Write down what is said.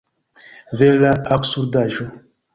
Vera absurdaĵo!